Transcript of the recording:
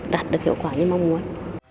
đạt được hiệu quả như mong muốn